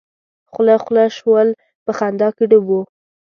خوله خوله شول په خندا کې ډوب وو.